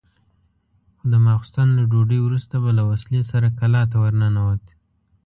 خو د ماخستن له ډوډۍ وروسته به له وسلې سره کلا ته ورننوت.